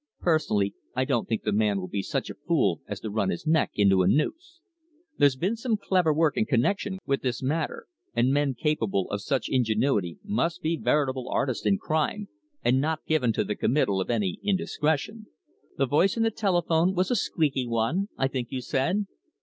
Personally, I don't think the man will be such a fool as to run his neck into a noose. There's been some clever work in connexion with this matter, and men capable of such ingenuity must be veritable artists in crime and not given to the committal of any indiscretion. The voice in the telephone was a squeaky one, I think you said?"